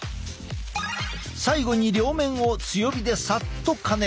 最後に両面を強火でさっと加熱。